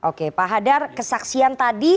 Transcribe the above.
oke pak hadar kesaksian tadi